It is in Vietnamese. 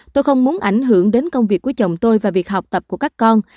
tôi không muốn ảnh hưởng đến công việc của chồng tôi và việc học tập của các con